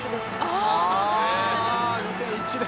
あ２００１年。